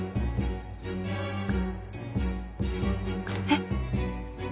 えっ？